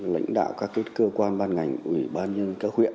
lãnh đạo các cơ quan ban ngành ủy ban nhân các huyện